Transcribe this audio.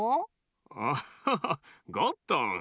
アッハハゴットン。